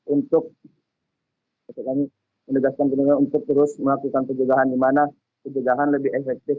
untuk menegaskan penduduknya untuk terus melakukan pejegahan dimana pejegahan lebih efektif